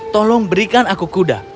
tolong berikan aku kuda